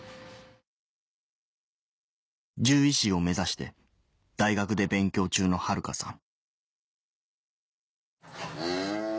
獣医師を目指して大学で勉強中の春花さん